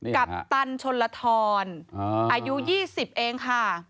ปัปตันชนลทรอายุ๒๐เองค่ะ